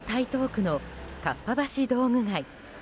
東京・台東区のかっぱ橋道具街。